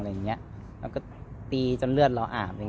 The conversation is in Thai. เราก็ตีจนเลือดเราอาบ